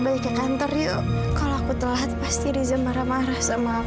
kalau komputer aku ini rusak tuh gimana